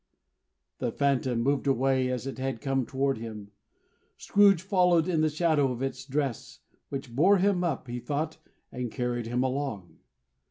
The Phantom moved away as it had come toward him. Scrooge followed in the shadow of its dress, which bore him up, he thought, and carried him along.